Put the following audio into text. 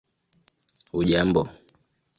hujambo